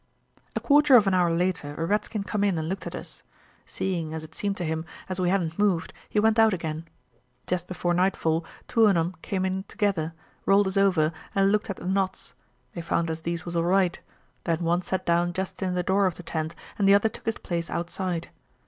"A quarter of an hour later a redskin come in and looked at us. Seeing, as it seemed to him, as we hadn't moved, he went out again. Jest before nightfall two on 'em came in together, rolled us over, and looked at the knots; they found as these was all right; then one sat down jest in the door of the tent and the other took his place outside.